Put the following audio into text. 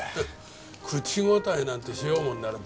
口答えなんてしようもんならバシッ！